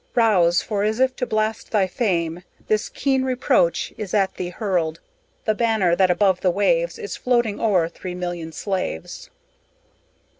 Rouse! for, as if to blast thy fame, This keen reproach is at thee hurled; The banner that above the waves, Is floating o'er three million slaves."